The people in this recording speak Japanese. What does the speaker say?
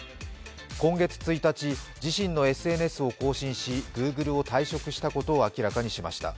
今月１日、自身のＳＮＳを更新し、Ｇｏｏｇｌｅを退職したことを明らかにしました。